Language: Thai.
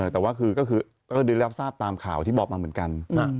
แต่ว่าคือก็คือได้รับทราบตามข่าวที่บอกมาเหมือนกัน